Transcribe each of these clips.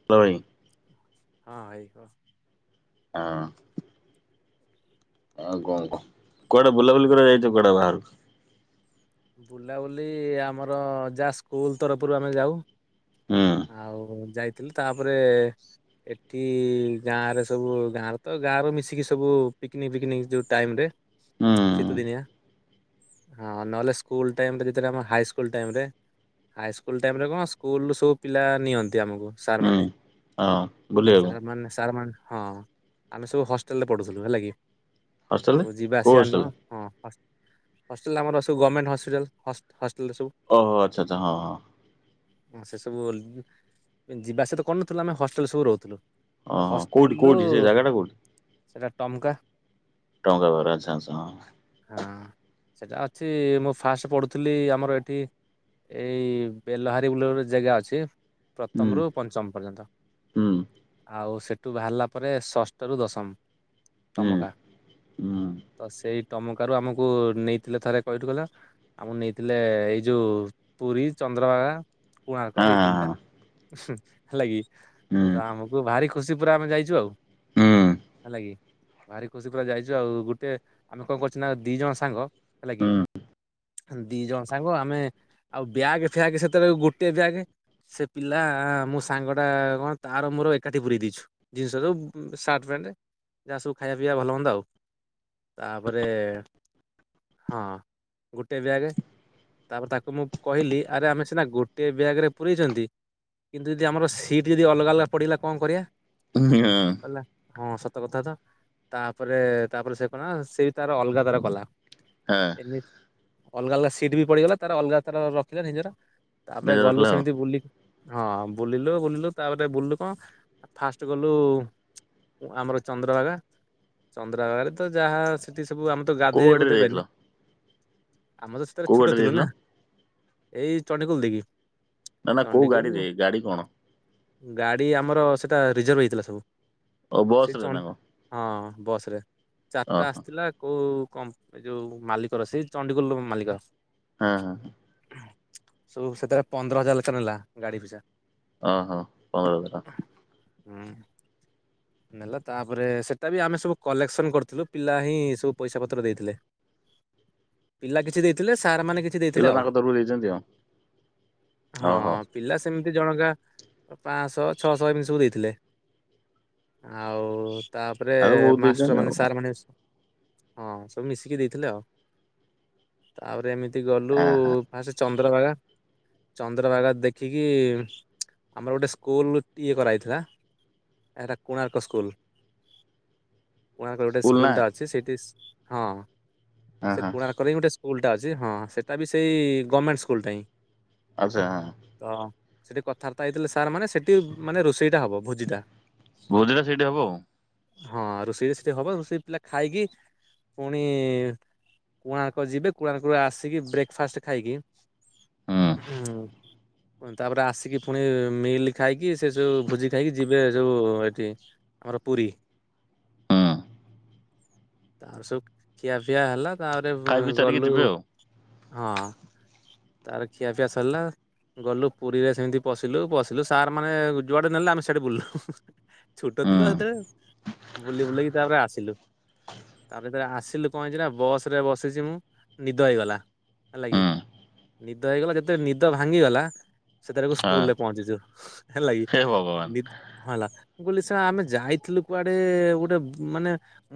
[unintelligible] ହଁ [unintelligible] ହଁ। ଆଉ କଣ କହ। କୁଆଡେ ବୁଲାବୁଲି କରିବାକୁ ଯାଇଚ କୁଆଡେ ବାହାରକୁ? ବୁଲାବୁଲି ଆମର ଯାହା ସ୍କୁଲ୍ ତରଫରୁ ଆମେ ଯାଉ। ହୁଁ ଆଉ ଯାଇଥିଲି ତାପରେ ଏଠି ଗାଁରେ ସବୁ ଗାଁରେ ତ ଗାଁର ମିଶିକି ସବୁ ପିକନିକ୍ ଫିକନିକ୍ ଯଉ ଟାଇମ ରେ ହୁଁ ଶୀତ ଦିନିଆ। ହଁ ନହଲେ ସ୍କୁଲ୍ ଟାଇମ ରେ ଯେତେବେଳେ ଆମ ହାଇସ୍କୁଲ୍ ଟାଇମ ରେ ହାଇସ୍କୁଲ୍ ଟାଇମ ରେ କଣ ସ୍କୁଲ୍ ରୁ ସବୁ ପିଲା ନିଅନ୍ତି ଆମକୁ ସାର୍ ହୁଁ। ମାନେ। ହଁ ବୁଲିବାକୁ ସାର୍ ମାନେ ସାର୍ ମାନେ ହଁ। ଆମେ ସବୁ ହଷ୍ଟେଲରେ ପଢୁଥିଲୁ ହେଲା କି। ହଷ୍ଟେଲରେ ସବୁ ଯିବା କୋଉ ଆସିବା ହଷ୍ଟେଲ ନୁହଁ ହଁ। ହସ୍ ହଷ୍ଟେଲ ଆମର ସବୁ ଗମେଣ୍ଟ ହସ୍ପିଟାଲ୍ ହ ହଷ୍ଟେଲ ଟା ସବୁ। ଓହୋ ଆଚ୍ଛା ଆଚ୍ଛା ହଁ ହଁ। ହଁ ସେ ସବୁ ଯିବା ସହିତ କଣ ଥିଲୁ ଆମେ ହଷ୍ଟେଲ ସବୁ ରହୁଥିଲୁ ଓହୋ କୋଉଠି ହଷ୍ଟେଲରୁୁ କୋଉଠି ସେ ଜାଗାଟା କୋଉଠି ସେଟା ଟମଙ୍କା [unintelligible] ହଁ ସେଟା ଅଛି ମୁଁ ଫାଷ୍ଟ ପଢ଼ୁଥିଲି ଆମର ଏଠି ଏଇ ବେଲହାରୀ ବୋଲି ଗୋଟେ ଜାଗା ଅଛି ହୁଁ। ପ୍ରଥମରୁ ପଞ୍ଚମ ପର୍ଯ୍ୟନ୍ତ, ହୁଁ ଆଉ ସେଠୁ ବାହାରିଲା ପରେ ଷଷ୍ଠରୁ ଦଶମ। ହୁଁ ଟମକା, ହୁଁ ତ ସେଇ ଟମକା ରୁ ଆମକୁ ନେଇଥିଲେ ଥରେ କହିଥିଲୁ ନା? ଆମକୁ ନେଇଥିଲେ ଏଇ ଯୋଉ ପୁରୀ, ଚନ୍ଦ୍ରଭାଗା କୋଣାର୍କ ହଁ ଏଇ ତିନିଟା। ହଁ ହେଲା କିି ହୁଁ ତ ଆମକୁ ଭାରି ଖୁସି ପୁରା ଆମେ ଯାଇଛୁ ଆଉ। ହୁଁ ହେଲାକି? ଭାରି ଖୁସି ପୁରା ଯାଇଛୁ ଆଉ, ଗୋଟେ ଆମେ କଣ କରୁଛୁ ନା ଦି ଜଣ ସାଙ୍ଗ ହେଲା କିି ହୁଁ। ଦି ଜଣ ସାଙ୍ଗ ଆମେ ଆଉ ବ୍ୟାଗ ଫ୍ୟାଗ ସେତେବେଳେ ଗୋଟେ ବ୍ୟାଗ୍। ସେ ପିଲା ମୋ ସାଙ୍ଗଟା କଣ ତାର ମୋର ଏକାଠି ପୁରେଇ ଦେଇଛୁ। ଜିନିଷ ସବୁ, ସାର୍ଟ ପ୍ୟାଣ୍ଟ, ଯାହା ସବୁ ଖାଇବା ପିଇବା ଭଲ ମନ୍ଦ। ତାପରେ ହଁ ଗୋଟେ ବ୍ୟାଗ, ତାପରେ ତାକୁ ମୁଁ କହିଲି, ଆରେ ଆମେ ସିନା ଗୋଟେ ବ୍ୟାଗ ରେ ପୁରେଇଛନ୍ତି ଏମିତି ଯଦି ଆମର ସିଟ୍ ଯଦି ଅଲଗା ଅଲଗା ପଡ଼ିଗଲା କଣ କରିବା? ହଁ। ହଁ ସତ କଥା ତ, ତାପରେ ତାପରେ ସେ କଣ ସେ ତାର ଅଲଗା ତାର କଲା। ହଁ। ହେଲେ ଅଲଗା ଅଲଗା ସିଟ୍ ବି ପଡିଗଲା, ତାର ଅଲଗା ତାର ରଖିଲା ନିଜର। ନିଜ ତାପରେ ରଖିଲ ଗଲୁ ଆଉ ସେମିତି ବୁଲିକି ହଁ ବୁଲିଲୁ ବୁଲିଲୁ, ତାପରେ ବୁଲିଲୁ କଣ, ଫାଷ୍ଟ ଗଲୁ ଆମର ଚନ୍ଦ୍ରଭାଗା। ଚନ୍ଦ୍ରଭାଗାରେ ତ ଯାହା ସେଠି ସବୁ ଆମର ତ କୋଉ ଗାଧୋଇବାକୁ ଗାଡିରେ ଯାଇଥିଲ ଦେବେନି ଆମ ତ ସେଥିରେ କୋଉ ଛୋଟ ଗାଡିରେ ଥିଲୁ ଯାଇଥିଲ? ନା। ଏଇ ଚଣ୍ଣ୍ଡ ଖୋଲ ଦେଇକି ନା ନା କୋଉ ଚଣ୍ଡିଖୋଲ ଗାଡି ରେ, ଗାଡି କଣ? ଗାଡି ଆମର ସେଟା ରିଜର୍ଭ ହେଇଥିଲା ସବୁ। ଓ ସେ ବସରେ ନା କଣ ହଁ ବସ ରେ। ଚାରିଟା ଓହୋ ଆସିଥିଲା, କୋଉ କମ୍ ଏ ଯୋଉ ମାଲିକର ସେଇ ଚଣ୍ଡିଗୋଲ ମାଲିକ ହଁ ହଁଁ। ସବୁ ସେଥିରେ ପନ୍ଦର ହଜାର ଲେକ୍ଷ ନେଲା, ଗାଡି ପଇସା। ଓଁ ହଁ [unintelligible] ହୁଁ। ନେଲା ତାପରେ, ସେଟା ବି ଆମେ ସବୁ କଲେକ୍ସନ କରିଥିଲୁ, ପିଲା ହିଁ ସବୁ ପଇସା ପତ୍ର ଦେଇଥିଲେ। [inaudible] ପିଲା କିଛି ଦେଇଥିଲେ, ସାର୍ ମାନେ କିଛି ଦେଇଥିଲେ ପିଲା ଆଉ ତାଙ୍କ ତରଫରୁ ଦେଇଛନ୍ତି ଆଉ। ହଁ। ଓହୋ ପିଲା ସେମିତି ଜଣଙ୍କା ପାଞ୍ଚଶହ, ଛଅଶହ ଏମିତ୍‌ ସବୁ ଦେଇଥିଲେ। ଆଉ ତାପରେ ଆଉ ବହୁତ ମାଷ୍ଟର ଦେଇଛନ୍ତି ଆଉ ମାନେ କଣ ସାର୍ ମାନେ ହଁ ସବୁ ମିଶିକି ଦେଇଥିଲେ ଆଉ, ତାପରେ ଏମିତି ଗଲୁ ଆ ହା ହଁ ସେ ଚନ୍ଦ୍ରଭାଗା। ଚନ୍ଦ୍ରଭାଗା ଦେଖିକି, ଆମର ଗୋଟେ ସ୍କୁଲ ଇଏ କରାହେଇଥିଲା ଏଟା କୋଣାର୍କ ସ୍କୁଲ, କୋଣାର୍କ ଗୋଟେ ସ୍କୁଲ ଟା ଅ ସେ ସେଇତିସ୍ ହଁ ଅ ସେ ହଁ କୋଣାର୍କ କରେଇ ଗୋଟେ ସ୍କୁଲଟା ଅଛି, ହଁ ସେଟା ବି ସେଇ ଗମେଣ୍ଟସ୍‌ ସ୍କୁଲ ଟା ହିଁ। ଆଚ୍ଛା ହଁ। ତ ସେଠି କଥାବାର୍ତ୍ତା ହେଇଥିଲେ ସାର୍ ମାନେ ସେଠି ମାନେ ରୋଷେଇଟା ହବ ଭୋଜି ଟା। ଭୋଜିଟା ସେଇଠି ହବ ଆଉ। ହଁ ରୋଷେଇରେ ସେଠି ହବ ରୋଷେଇ ପିଲା ଖାଇକି ପୁଣି କୁଣାର୍କ ଯିବେ କୁଣାର୍କ ରୁ ଆସିକି ବ୍ରେକ୍ ଫାଷ୍ଟେ ଖାଇକି ହୁଁ ତାପରେ ଆସିକି ପୁଣି ମିଲ୍ ଖାଇକି ସେ ଯଉ ଭୋଜି ଖାଇକି ଯିବେ ଯଉ ଏଟ୍ ଥି ଆମର ପୁରୀ। ହୁଁ ତାର ସବୁ ଖିଆ ପିଆ ହେଲା ତାପରେ ଖାଇ ପିଇ ସାରିକି ଗଲୁ ଯିବେ ଆଉ ହଁ। ତାର ଖିଆ ପିଆ ସରିଲା। ଗଲୁ ପୁରୀରେ ସେମିତି ପଶିଲୁ- ପଶିଲୁ ସାର୍ ମାନେ ଯୁଆଡେ ନେଲେ ଆମେ ସେଠି ବୁଲିଲୁ। ଛୋଟ ହୁଁ ଥିଲୁ ହେତେବେଳେ ବୁଲି ବୁଲାକି ତାପରେ ଆସିଲୁ। ତା ଭିତରେ ଆସିଲୁ କଣ ହେଇଚି ନା ବସ୍ ରେ ବସିଚି ମୁଁ ନିଦ ହେଇଗଲା ହେଲା ହୁଁ କିି। ନିଦ ହେଇଗଲା ଯେତେ ନିଦ ଭାଙ୍ଗିଗଲା ସେତେବେଳକୁ ହଁ ସ୍କୁଲ୍‌ ରେ ପହଞ୍ଚିଚୁ ହେଲାଗି। ହେ ହଁ ଭଗବାନ୍। ହେଲା ମୁଁ କହିଲି ସା ଆମେ ଯାଇଥିଲୁ କୁଆଡେ ଗୋଟେ ମାନେ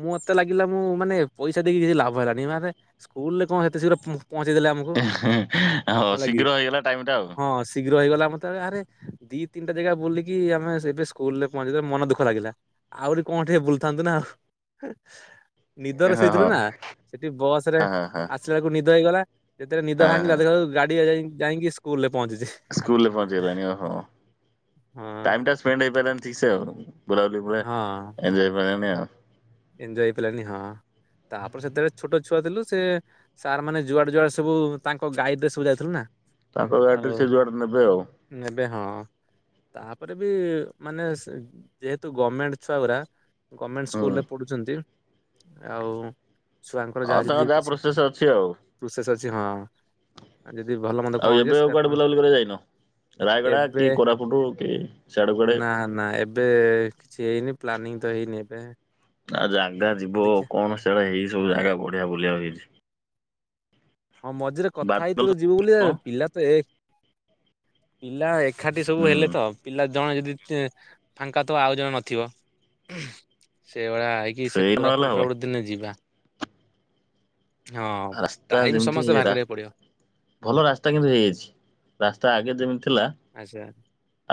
ମୋତେ ଲାଗିଲା ମୁଁ ମାନେ ପଇସା ଦେଇକି କିଛି ଲାଭ ହେଲାନି ମାନେ ସ୍କୁଲ୍‌ ରେ କଣ ଏତେ ଶୀଘ୍ର ପହ-ପହଞ୍ଚେଇ ଦେଲେ ଆମୁକୁ। ହଁ ଶୀଘ୍ର ହେଇଗଲା ଟାଇମ୍ ଟା ଆଉ। ହଁ ଶୀଘ୍ର ହେଇଗଲା ମୁଁ ତାବେ ଆରେ ଦି ତିନିଟା ଜାଗା ବୁଲିକି ଆମେ ଏବେ ସ୍କୁଲ୍‌ ରେ ପହଞ୍ଚେଇଦେଲେ ମନ ଦୁଃଖ ଲାଗିଲା। ଆହୁରି କଣ ଟିକେ ବୁଲ୍ ଥାନ୍ତୁ ନା। ନିଦରେ ହଁ ଶୋଇଥିଲୁ ହଁ ନା ସେଠି ବସ୍ ରେ ହଁ ହଁ ଆସ୍ ହଁ ଆସିଲାଳକୁ ନିଦ ହେଇଗଲା ଯେତେ ନିଦ ଭାଙ୍ଗିଲା ହଁ ଦେଖିଲାଳକୁ ଗାଡି ଯାଇଁ -ଯାଇଁକି ସ୍କୁଲ ରେ ପହଞ୍ଚିଚି। ସ୍କୁଲରେ ପହଞ୍ଚେଇଲାଣି ଓହୋ ଟାଇମ୍ ହଁ ଟା ସ୍ପେଣ୍ଡ୍ ହେଇପାରିଲାନି ଠିକ୍ ସେ ଆଉ। ବୁଲା ବୁଲି ପରେ ହଁ ଏଞୟ ହେଇ ପାରିଲାନି ଆଉ। ଏଞ୍ଜୟ ହେଇ ପାଇଲାନି ହଁ ତାପରେ ସେତେବେଳେ ଛୋଟ ଛୁଆ ଥିଲୁ ସେ ସାର୍ ମାନେ ଯୁଆଡେ ଯୁଆଡେ ସବୁ ତାଙ୍କ ଗାଇଡ୍ ରେ ସବୁ ଯାଇଥିଲୁ ନା। ତାଙ୍କ ଗାଇଡ୍ ରେ ସେ ଯୁଆଡ଼େ ନେବେ ଆଉ। ନେବେ ହଁ। ତାପରେ ବି ମାନେ ସେ ଯେହେତୁ ଗମେଣ୍ଟ୍ ଛୁଆ ଗୁରା ଗମେଣ୍ଟସ୍‌ ହୁଁ ସ୍କୁଲରେ ପଡୁଚନ୍ତି ଆଉ ଛୁଆଙ୍କର ଆଉ ଯାହା ତାଙ୍କର ଯେତିକି କିଛି ପ୍ରୋସେସ ଅଛି ଆଉ ପ୍ରୋସେସ୍ ଅଛି ହଁ। ଯଦି ଭଲ ମନ୍ଦ କଣ ଆଉ ହେଇଯିବ ଏବେ ସେଟା ଆଉ କୁଆଡେ ଆପଣ ବୁଲାବୁଲି କରିବାକୁ ଯାଇନ? ରାୟଗଡ଼ା ଏବେ କି କୋରାପୁଟୁ କି ସିଆଡ଼େ କୁଆଡେ ନା ନା ଏବେ କିଛି ହେଇନି ପ୍ଲାନିଂ ତ ହେଇନି ଏବେ ନା ଜାଗା ଯିବ ଦେଖିଆ କଣ ସିଆଡେ ଏଇ ସବୁ ଜାଗା ବଢିଆ ବୁଲିଆକୁ ହେଇଚି। ହଁ ମଝିରେ କଥା ବାଦଲ ହେଇଥିଲୁ ଯିବୁ ବୋଲି ଯେ ହଁ ପିଲା ତ ଏକ୍ ପିଲା ଏଖାଠି ସବୁ ହୁଁ ହେଲେ ତ। ପିଲା ଜଣେ ଯଦି ସେ ଫାଙ୍କା ଥିବ ଆଉ ଜଣେ ନଥିବ ସେଇଭଳିଆ ହେଇ କି ସେ ସେଇ ନହେଲେ କୋରାପୁଟ୍ ହବନି। ଫୋରାପୁଟ୍ ଦିନେ ଯିବା -ହଁ। ରାସ୍ତା ଟାଇମ୍ ଯେମିତି ସମସ୍ତେ ବାହାର୍ ରା କରିବାକୁ ପଡ଼ିବ। ଭଲ ରାସ୍ତା କିନ୍ତୁ ହେଇଚି ରାସ୍ତା ଆଗେ ଯେମିତି ଥିଲା ଆଚ୍ଛା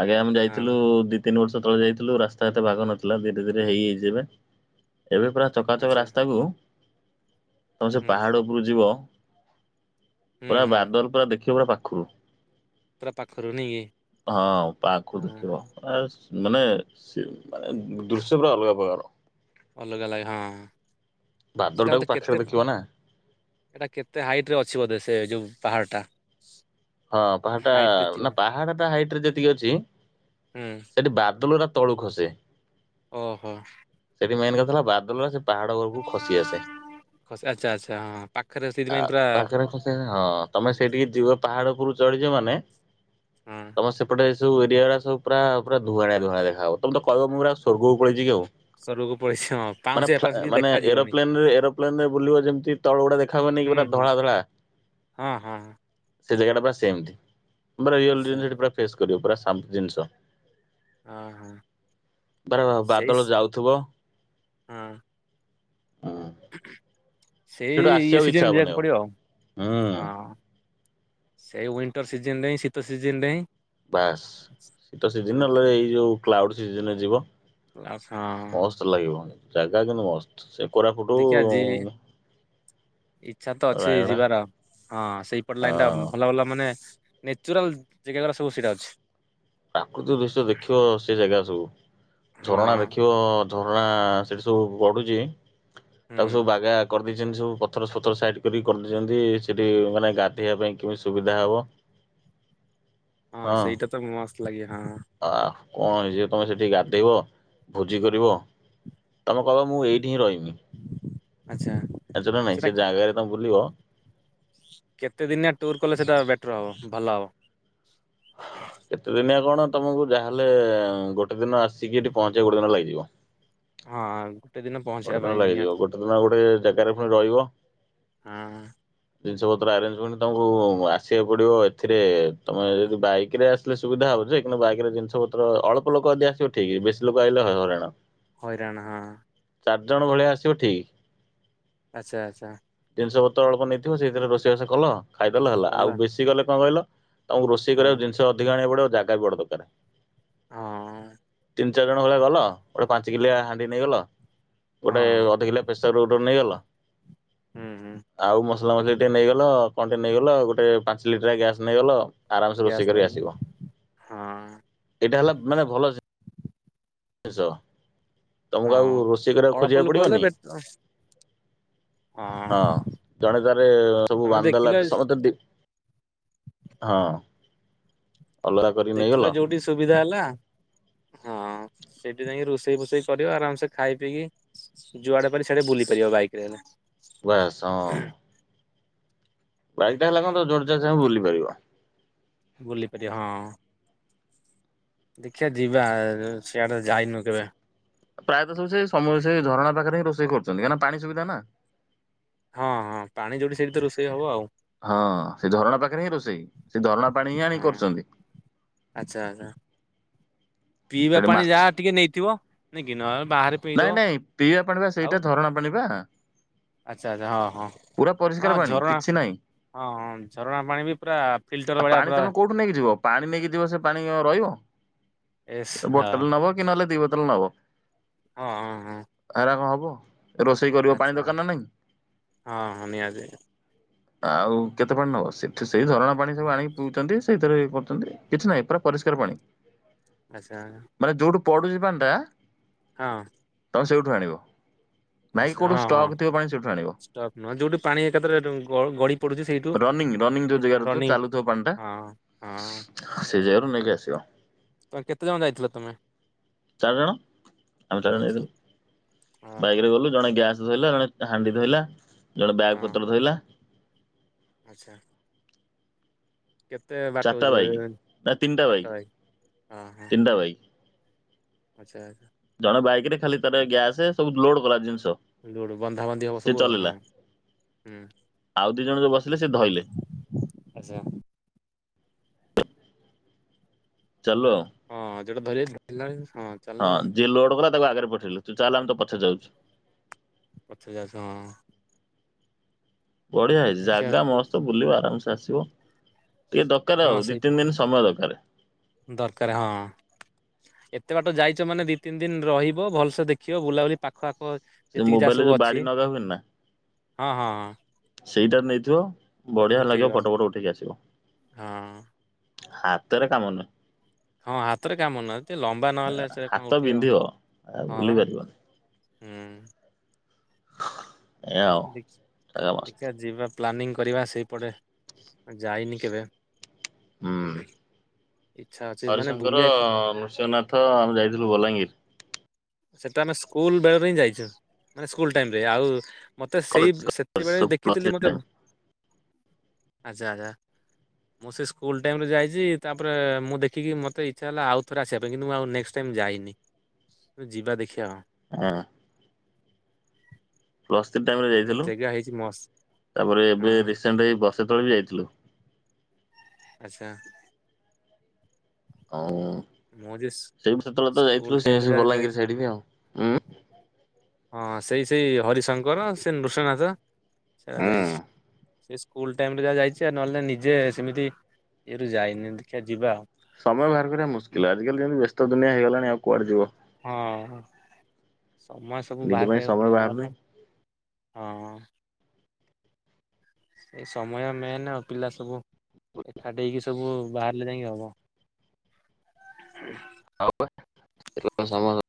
ଆଗେ ଆମେ ହଁ ଯାଇଥିଲୁ ଯି ତିନି ବର୍ଷ ତଳେ ଯାଇଥିଲୁ ରାସ୍ତା ଏତେ ବାଗ ନଥିଲା ଧୀରେ ଧୀରେ ହେଇଯାଇଚି ଏବେ-ଏବେ ପୁରା ଚକାଚକା ଆଚ୍ଛା ରାସ୍ତାକୁ ତମେ ସେ ହୁଁ ପାହାଡ଼ ଉପରୁକୁ ଯିବ ହୁଁ ପୁରା ହୁଁ ବାଦଲ ପୁରା ଦେଖିବ ପୁରା ପାଖୁରୁ। ପୁରା ପାଖୁରୁ ନେଇ କି? ହଁ ପାଖୁରୁ ହଁ ଦେଖିବ ଏଶ୍ ମାନେ ସେ ମାନେ ଦୃଶ୍ୟ ପୁରା ଅଲଗା ପକାର। ଅଲଗା ଲାଗେ ହଁ ବାଦଲ ସେଟା ଟାକୁ ବଧେ ପାଖରେ କେତେ ଦେଖିବ ନା ହେଟା କେତେ ହାଇଟ ରେ ଅଛି ବୋଧେ ସେ ଯୋଉ ପାହାଡ଼ଟା ହଁ ପାହାଡ଼ ଟା ନା ଥିବ ପାହାଡ଼ଟା ହାଇଟରେ ଯେତିକି ଅଛି ହୁଁ ସେଠି ବାଦଲ ଉରା ତଳୁ ଖସେ। ଓହୋ। ସେଠି ମେନ୍ କଥା ହେଲା ବାଦଲରା ସେ ପାହାଡ ଘରକୁ ଖସି ଆସେ। ଖସି ଆଚ୍ଛା ଆଚ୍ଛା ହଁ ପାଖରେ ଆ ସେଇଥିପାଇଁ ପୁରା ପାଖେରେ କିଛି ନାହିଁ ହଁ ତମେ ସେଇଠିକି ହଁ ଯିବ। ପାହାଡ ଉପରୁ ଚଢ଼ିଯିବ ମାନେ ହଁ ତମ ସେପଟେ ସବୁ ଏରିଆରା ସବୁ ପୁରା ପୁରା ଧୁଆଁଳିଆ ଧୁଆଁଳିଆ ଦେଖା ହବ ତମେ ତ କହିବ ମୁ ପୁରା ସୋର୍ଗ କୁ ପାଳେଇଚି କି ଆଉ। ସୋର୍ଗ କୁ ପଳେଇଛି। ହଁ ମାନେ ପାଉଁଶ ପାଉଁଶ ଫ୍ଲା କିଛି ମାନେ ଦେଖାଯିବନି ଏରୋପ୍ଲେନ ରେ ଏରୋପ୍ଲେନ ରେ ବୁଲିବ ଯେମିତି ତଳ ଗୁଡା ଦେଖା ହଏନି କି ହୁଁ ପୁରା ହୁଁ ଧଳା ଧଳା। ହଁ ହଁ ହଁ। ସେ ଜାଗାଟା ପୁରା ସେମତି ମୁଁ ପରା ରିଅଲ ଆଚ୍ଛା ଜିନିଷ ହେଟି ପୁରା ଫେସ୍ କରିବ ପୁରା ସା ଜିନିଷ। ହଁ ହଁ ତାର ବାଦଳ ଯାଉଥିବ ହୁଁ। ଉଁ ସେଇ ସେଠୁ ଇଏ ଆସିବାକୁ ଇଚ୍ଛା ସିଜିନ ହବନି ଯିବାକୁ ପଡିବ ଆଉ ହୁଁ ହଁ। ସେଇ ଉଇଣ୍ଟର ସିଜିନି ରେ ହିଁ ଶୀତ ସିଜିନି ରେ ହିଁ। ବାସ୍ ଶୀତ ସିଜିନି ହୁଁ ନହେଲେ ଏଇ ଯୋଉ କ୍ଲାଉଡ ସିଜିନି ରେ ଯିବ। କ୍ଲାସ୍ ହଁ। [unintelligible] ଲାଗିବ ଜାଗା କିନ୍ତୁ ମସ୍ତ ସେ କୋରାପୁଟୁ ଇଛା ତ ଅଛି ରାୟଗଡା ଯିବାର ହଁ ସେଇପଟ ଲାଇନ ଟା ହଁ ଭଲ ଭଲ ମାନେ ନ୍ୟଚୁରାଲ ଜାଗା ଗୁରା ସବୁ ସେଇଟା ଅଛି। ପ୍ରାକୃତିକ ଦୃଶ୍ୟ ଦେଖିବ ସେ ଜାଗା ସବୁ ଝରଣା ହଁ ଦେଖିବ ଝରଣା ସେଠି ସବୁ ବଡୁଛି ତାକୁ ସବୁ ହୁଁ। ବାଗା କରି ପକେଇଚନ୍ତି ସବୁ ପଥର ଫଥର ସାଇଟ କରିକି କରିଦେଇଚନ୍ତି ସେଠି ମାନେ ଗାଧୋଇେଇବା ପାଇଁ କେମିତି ସୁବିଧା ହବ। ହଁ ସେଇଟା ତ ମସ୍ତ ଲାଗେ ହଁ। ଆ ଙ୍କ ହେଇଚି ତମେ ସେଠି ଗାଧେଇବ ଭୋଜି କରିବ ତମେ କହିବ ମୁଁ ଏଇଠିଁ ରହିିମି। ଆଛା ସେଟା ସେ ଜାଗାରେ ତମେ ବୁଲିବ କେତେ ଦିନିଆ ଟୁର୍ କଲେ ସେଟା ବେଟର ହବ ଭଲ ହବ? କେତେ ଦିନିଆ କଣ ତମକୁ ଯାହାହେଲେ ଗୋଟେ ଦିନ ଆସିକି ଏଠି ପହଞ୍ଚେଇ ଗୋଟେ ଦିନ ଲାଗିଯିବ। ହଁ। ଦିନ ପହଞ୍ଚିବା ଗୋଟେ ପାଇଁ ଦିନ ଲାଗିଯିବ ନିହାତି ଗୋଟେ ଦିନ ଗୋଟେ ଜାଗାରେ ଫୁଣି ରହିବ। ହଁ ଜିନଷ ପତ୍ର ଆରେଞ୍ଜ କରି ତମକୁ ଆସିବାକୁ ପଡିବ ଏଥିରେ ତମେ ଯଦି ବାଇକ ରେ ଆଶ୍ ଥିଲେ ସୁବିଧା ହବ ଯେ କିନ୍ତୁ ବାଇକରେ ଜିନିଷ ପତ୍ର ଅଳପ ଲୋକ ଯଦି ଆସିବ ଠିକି ବେଶୀ ଲୋକ ଆଇଲେ ହ ହଇରାଣ। ହଇରାଣ ହଁ। ଚାରଜଣ ଭଳିଆ ଆସିବ ଠିକ୍। ଆଛା ଆଛା। ଜିନଷ ପତ୍ର ଅଳ୍ପ ନେଇଥିବ ସେଇଥିରେ ରୋଷେଇବାସ କଲ ଖାଇଦେଲେ ହେଲା କଲ ଆଉ ବେଶୀ କଲେ ଙ୍କ କହିଲ ତମକୁ ରୋଷେଇ କରିବାକୁ ହଁ ଜିନିଷ ଅଧିକ ଆଣିବାକୁ ପଡ଼େ ଆଉ ଜାଗା ବି ବଡ଼ ଦରକାର। ହଁ। ତିନି ଚାରି ଜଣ ଭଳିଆ ଗଲ ଗୋଟେ ପାଞ୍ଚ କିଲିଆ ହାଣ୍ଡି ନେଇଗଲ। ହଁ ଗୋଟେ ଅଧକିଲିଆ ପ୍ରେସର ଗୋଟେ ନେଇଗଲ। ହୁଁ ହୁଁ। ଆଉ ମସଲା ମସଲି ଟିକେ ନେଇଗଲ କଁ ଟିକେ ନେଇଗଲ ଗୋଟେ ପାଞ୍ଚ ଲିଟିରିଆ ଗ୍ୟାସ ନେଇଗଲ। ଆରାମସେ ଗ୍ୟାସ୍ ରୋଷେଇ କରି ଧରିଲି ଆସିବ ହଁ ଏଇଟା ହେଲା ମାନେ ଭଲ। ଜିନିଷ ତମକୁ ଆଉ ହଁ। ରୋଷେଇ କରିବାକୁ ଅଳ୍ପ ଖୋଜିବାକୁ ଲୋକ ହେଲେ ପଡିବନି। ବେଟ ହଁ ଜଣେ ତାରେ ସବୁ ତମେ ବାନ୍ଦି ଦେଖିଲ ଦେଲା ସମତେ ଡି ହଁ। ଅଲଗା କରିକି ନେଇଗଲ ଦେଖିଲ ଯୋଉଠି ସୁବିଧା ହେଲା। ହଁ ସେଇଠି ଯାଇକି ରୋଷେଇ ଫୋଷେଇ କରିବ ଆରାମ ସେ ଖାଇ ପିଇକି। ଯୁଆଡେ ପାରି ସିଆଡେ ବୁଲି ପାରିବ ବାଇକ ରେ ଗଲେ। ବାସ୍ ହଁ। ବାଇକ୍ ଟା ହେଲା କଁ ତମେ ଜୁଆଡେ ଜା ଚାହିଁବ ବୁଲି ପାରିବ। ବୁଲି ପାରିବେ ହଁ। ଦେଖିବା ଯିବା ଏ ସିଆଡ଼େ ଯାଇନୁ କେବେ। ପ୍ରାୟତଃ ସବୁ ସେ ସମୟ ସେ ଝରଣା ପାଖରେ ହିଁ ରୋଷେଇ କରୁଛନ୍ତି କାହିଁକି ପାଣି ସୁିବିଧା ନା। ହଁ ହଁ ପାଣି ଯୋଉଠି ସେଇଠିିତ ରୋଷେଇ ହବ ଆଉ। ହଁ ସେ ଝରଣା ପାଖରେ ହିଁ ରୋଷେଇ ସେ ଝରଣା ପାଣି ହିଁ ଆଣି ହଁ କରୁଛନ୍ତି। ଆଚ୍ଛା ଆଚ୍ଛା। ପିଇବା ସେଠି ପାଣି ମାଛ ଯାହା। ଟିକେ ନେଇଥିବ। ନାଇଁ କି ନହେଲେ ବାହାରେ। ପିଇଦବ ନାଇଁ ନାଇଁ ପିଇବା ପାଣିିବା ଆଉ ସେଇଟା ଧରଣା ପାଣିିବା ଆଚ୍ଛା ଆଚ୍ଛା ହଁ ହଁ ହଁ ପାଣି ଝରଣା। କିଛି ନାହିଁ ହଁଁ ଝରଣା ପାଣି ବି ପୁରା ଫିଲ୍ଟର ଭଳିଆ ପୁରା। ତାକୁ ନେଇକି ଯିବ ପାଣି ନେଇକି ଯିବ ସେ ପାଣି କଁ ରହିବ ଏସ୍ ହଁ ବୋଟଲେ ନବ। କି ନହେଲେ ଦି ବୋତଲେ ନବ। ହଁ ହଁ। ଏରା କଁ ହବ। ରୋଷେଇ କରିବ ପାଣି ଆଚ୍ଛା ଦରକାର ନା ନାଇଁ? ହଁ ହଁ ନିହାତି। ଆଉ କେତେ ପାଣି ନବ ସେଠି ସେଇ ଧରଣା ପାଣି ସବୁ ଆଣିକି ପିଉଛନ୍ତି ସେଇଥିରେ ଇଏ କରୁଛନ୍ତି। କିଛି ନାହିଁ ପୁରା ପରିଷ୍କାର ପାଣି। ଆଚ୍ଛା। ମାନେ ଯୋଉଠୁ ପଡୁଛିି ପାଣି ଟା। ହଁ। ତମେ ସେଇଠୁ ଆଣିବ। ନାଇଁ କି ଆଚ୍ଛା କୋଉଠୁ ହଁ ହଁ ଷ୍ଟକ୍ ଥିବ ପାଣି ସେଇଠୁ ଆଣିବ। ଷ୍ଟକ୍ ନୁହଁ ଯୋଉଠୁ ପାଣି ଏକାଥରେ ଗ ଗଡି। ପଡ଼ୁଛି ସେଇଠୁ ରନିଂ ରନିଂ ଯୋଉ ଜାଗାରେ ଥିବ ରନିଂ ଚାଲୁଥିବ ପାଣି ଟା ହଁ ହଁ। ସେଇ ଜାଗାରୁ ନେଇକି ଆସିବ। ତେମେ କେତେ ଜଣ ଯାଇଥିଲ ତମେ। ଚାରି ଜଣ ଆମେ ଚାରିଜଣ ଆଚ୍ଛା ଯାଇଥିଲୁ ହଁ ହଁ ବାଇକ୍ ରେ ଗଲୁ। ଜଣେ ଗ୍ୟାସ୍ ଧଇଲା ଜଣେ ହାଣ୍ଡି ଧଇଲା ଜଣେ ବ୍ୟାଗ୍ ହଁ ପତ୍ର ଧଇଲା। ଆଚ୍ଛା। କେତେ ବାଟ ଚାରିଟା ହଉଛି ବ ବାଇକ୍ ନା ତିନିଟା ଚାରଟା ବାଇକ୍ ହଁ ହଁ। ତିନିଟା ବାଇକ୍ ଆଚ୍ଛା ଆଛା। ଜଣେ ବାଇକ ରେ ଖାଲି ତାର ଗ୍ୟାସ ସବୁ ଲୋଡ କଲା ଜିନିଷ। ଲୋଡ ବନ୍ଧା ବନ୍ଧି ହବ ସେ ସବୁ ଆଉ ଚଲେଇଲା ହଁ ହୁଁ। ଆଉ ଦିଇ ଜଣ ଯଉ ବସିଲେ ସେ ଧଇଲେ। ଆଚ୍ଛା। ଚାଲୁ ଆଉ। ହଁ ଯୋଟା ଧରି [unintelligible] ହଁ। ଚାଲିଲ ହଁ ଆଉ ଯିଏ ଲୋଡ କଲା ତାକୁ ଆଗରେ ପଠେଇଲେ ତୁ ଚାଲେ ଆମେ ତୋ ପଛରେ ଯାଉଚୁ। ପଛେ ଯାଉଛୁ, ହଁ। ବଢିଆ ହେଇଛି ଦେଖିବା ଜାଗା ତୁ ମସ୍ତ ବୁଲିବ ଆରାମସେ ଆସିବ। ଟିକେ ଦକାର ହଁ ଆଉ ଦି ସେଇପ ତିନି ଦିନ ସମୟ ଦକାର। ଦରକାର ହଁ। ଏତେ ବାଟ ଯାଇଛ ମାନେ ଦି ତିନି ଦିନ ରହିବ ଭଲସେ ଦେଖିବ ବୁଲାବୁଲି ପାଖ ଆଖ ସେ ଯେତିକି ଯାହା ମୋବାଇଲରେ ସବୁ ଯୋଉ ଅଛି ବାଡି ନଗା ହୁଏନି ନା। ହଁ ହଁ ହଁ ସେଇଟା ନେଇଥିବ ବଢିଆ ଲାଗିବ ଉଠେଇବା ଫଟ ଫଟ ଉଠେଇକି ଆସିବ। ହଁ ହାତରେ କାମ ନୁହେ। ହଁ ହାତରେ କାମ ନୁହେ ଟିକେ ଲମ୍ବା ନହେଲେ ସେ ହାତ କଣ ଉଠେଇ ହବ ବିନ୍ଧିବ ଆଉ ହଁ ଭୁଲି ବା। ପାରିବନି ହୁଁ। ଏୟା ଆଉ ଦେଖ୍ ଜାଗା ମସ୍ତ ଦେଖିଆ ଯିବା ପ୍ଲାନିଂ କରିବା ସେଇପଟେ ଯାଇନି କେବେ। ହୁଁ ଇଚ୍ଛା ଅଛି ମାନେ ହରିଶଙ୍କର ବୁଲିବାକୁ ନୃସିଂହନାଥ ଆମେ ଯାଇଥିଲୁ ବଲାଙ୍ଗୀର। ସେଟା ଆମେ ସ୍କୁଲ ବେଳରେ ହିଁ ଯାଇଛୁ ମାନେ ସ୍କୁଲ ଟାଇମ ରେ, ଆଉ ମତେ ସେଇ କଲେଜ ସେତେବେଳେ ପ୍ଲସ ଥ୍ରୀ ଦେଖିଥିଲି ମତେ ଆଛା ଆଛା। ମୁଁ ସେ ସ୍କୁଲ ଟାଇମ ରୁ ଯାଇଛି ତାପରେ ମୁଁ ଦେଖିକି ମତେ ଇଛା ହେଲା ଆଉ ଥରେ ଆସିବା ପାଇଁ କିନ୍ତୁ ମୁଁ ଆଉ ନେକ୍ସଟ ଟାଇମ୍ ଯାଇନି। ତୁ ଯିବା ଦେଖିଆ ଆଉ। ହଁ। ପ୍ଲସ୍ ଥ୍ରୀ ଟାଇମ ରେ ଆଉ ଯାଇଥିଲୁ ଜାଗା ହେଇଛି ମସ୍ତ ତାପରେ ଏବେ ହଁ ରିସେଣ୍ଟ ହେଇ ବସେ ତଳେ ବି ଯାଇଥିଲୁ। ଆଚ୍ଛା। ଆଁ ମୁଁ ଯେ ସେଇଠୁ ସେତେବେଳେ ତ ସ୍କୁଲ ଯାଇଥିଲୁ ଟାଇମରେ ସେ ଯାହା ଯାଏ ବଲାଙ୍ଗୀର ସାଇଡି କି ଉଁ। ହଁ ସେଇ ସେଇ ହରିଶଙ୍କର ସେ ନୃସିନାଥ ସେରା ହୁଁ। ଯାଇଚି। ସେ ସ୍କୁଲ ଟାଇମ ରେ ଯାହା ଯାଇଛି ଆ ନହେଲେ ନିଜେ ସେମିତି ଇଏରୁ ଯାଇନି ଦେଖିଆ ଯିବା। ସମୟ ବାହାର କରିବା ମୁସ୍କିଲ ଆଜିକାଲି ଯେମିତି ବ୍ୟସ୍ତ ଦୁନିଆ ହେଇଗଲାଣି ଆଉ କୁଆଡେ ଯିବ। ହଁ ସମୟ ସବୁ ନିଜ ବାହାର ପାଇଁ କରିବାକୁ ସମୟ ପଡିବ, ବାହାରୁନି ନହେଲେ ହଁ ସେ ସମୟ ମେନ୍ ଆଉ ପିଲା ସବୁ ଏକାଠୀ ହେଇକି ସବୁ ବାହାରିଲେ ଯାଇକି ହବ। ହୁଁ। [unintelligible]